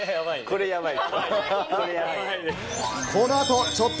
これやばい。